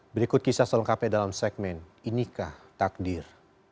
berikut kisah selengkapnya dalam segmen inikah takdir